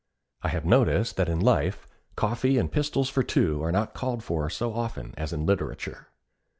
I have noticed that in life coffee and pistols for two are not called for so often as in literature.